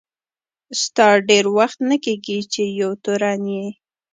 ستا ډېر وخت نه کیږي چي یو تورن یې.